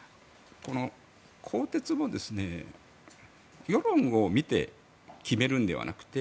更迭も世論を見て決めるのではなくて